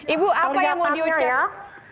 ibu apa yang mau diucap